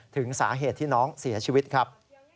ถึงสาเหตุที่น้องเสียชีวิตครับ